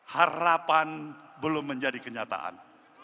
harapan belum menjadi kenyataan